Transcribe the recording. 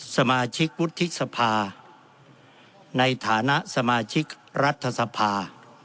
สมาชิกวุฒิสภาในฐานะสมาชิกรัฐสภา